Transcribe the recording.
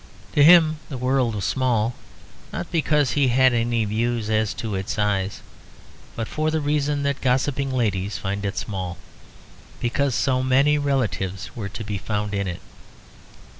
To him the world was small, not because he had any views as to its size, but for the reason that gossiping ladies find it small, because so many relatives were to be found in it.